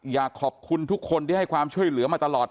อยากขอบคุณทุกคนที่ให้ความช่วยเหลือมาตลอด